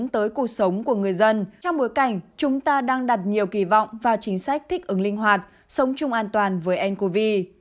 trong bối cảnh chúng ta đang đặt nhiều kỳ vọng vào chính sách thích ứng linh hoạt sống chung an toàn với ncov